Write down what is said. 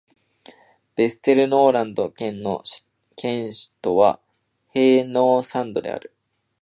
ヴェステルノールランド県の県都はヘーノーサンドである